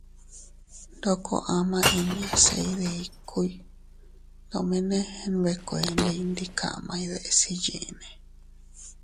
Ndoko ama inña se iydikuy tomene nbekuendey ndi kaʼmay deʼes iyyinne.